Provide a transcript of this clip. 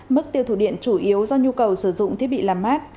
mức tiêu thụ điện chủ yếu do nhu cầu sử dụng thiết bị làm mát